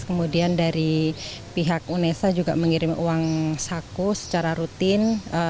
kemudian dari pihak unesa juga mengirim uang saku secara rutin